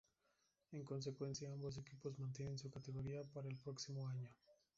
En consecuencia, Ambos equipos mantienen su categoría, para el próximo año.